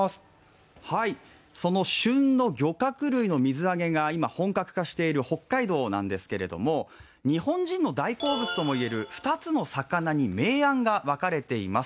その旬の漁獲類の水揚げが今本格化している北海道なんですけれども、日本人の大好物ともいえる２つの魚に明暗が分かれています。